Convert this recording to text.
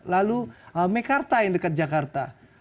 lalu mekarta yang dekat jakarta